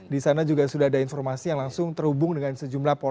disana juga sudah ada informasi yang langsung terhubung dengan sejumlah poin